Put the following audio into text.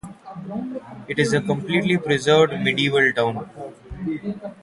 It is a completely preserved medieval town.